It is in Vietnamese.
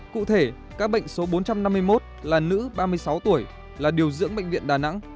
cụ thể các bệnh số bốn trăm năm mươi một là nữ ba mươi sáu tuổi là điều dưỡng bệnh viện đà nẵng